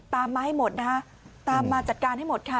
มาให้หมดนะคะตามมาจัดการให้หมดค่ะ